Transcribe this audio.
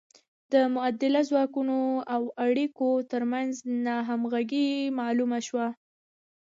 د مؤلده ځواکونو او اړیکو ترمنځ ناهمغږي معلومه شوه.